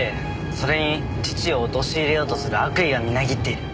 それに父を陥れようとする悪意がみなぎっている。